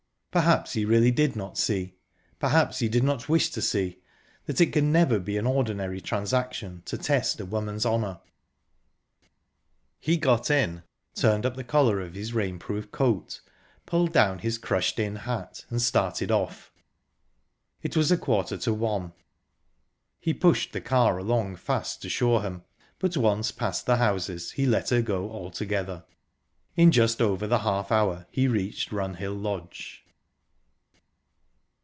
Perhaps he really did not see, perhaps he did not wish to see, that it can never be an ordinary transaction to test a woman's honour... He got in, turned up the collar of his rainproof coat, pulled down his crushed in hat, and started off. It was a quarter to one. He pushed the car along fast to Shoreham, but, once past the houses, he let her go altogether...In just over the half hour he reached Runhill Lodge.